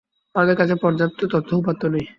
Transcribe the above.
আমাদের কাছে পর্যাপ্ত তথ্য উপাত্ত নেই।